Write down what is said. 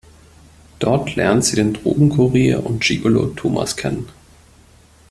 Dort lernt sie den Drogenkurier und Gigolo Thomas kennen.